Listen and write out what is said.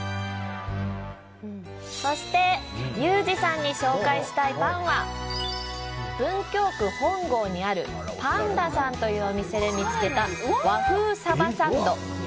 そしてユージさんに紹介したいパンは文京区本郷にあるｐａｎｄａさんというお店で見つけた和風さばサンド。